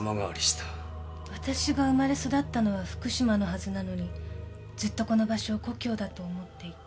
わたしが生まれ育ったのは福島のはずなのにずっとこの場所を故郷だと思っていた。